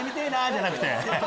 じゃなくて。